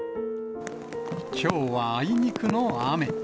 きょうはあいにくの雨。